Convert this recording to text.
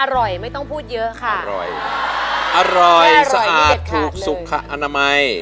อร่อยมั้ยคะปุ๊ป